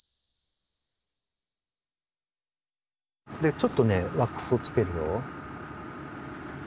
ちょっとねワックスをつけるよ。